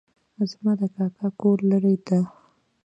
زما د کاکا کور لرې ده